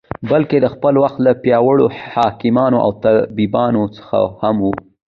بلکې د خپل وخت له پیاوړو حکیمانو او طبیبانو څخه هم و.